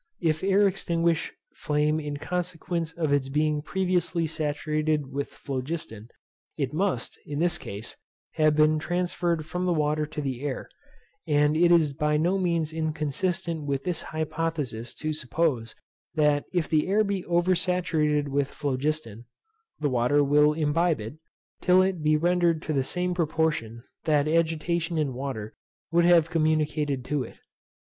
If air extinguish flame in consequence of its being previously saturated with phlogiston, it must, in this case, have been transferred from the water to the air, and it is by no means inconsistent with this hypothesis to suppose, that, if the air be over saturated with phlogiston, the water will imbibe it, till it be reduced to the same proportion that agitation in water would have communicated to it.